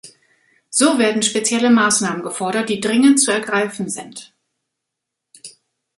So werden spezielle Maßnahmen gefordert, die dringend zu ergreifen sind.